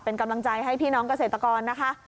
เป็นกำลังใจให้พี่น้องเกษตรกรนะคะ